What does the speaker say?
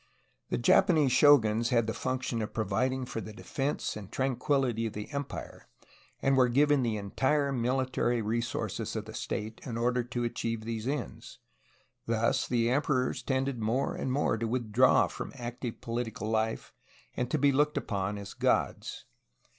The Japanese shoguns had the function of providing for the defence and tranquility of the empire, and were given the entire military resources of the state in order to achieve these ends. Thus the emperors tended more and more to withdraw from active political life and to be looked upon as gods.